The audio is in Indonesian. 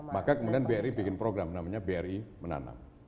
maka kemudian bri bikin program namanya bri menanam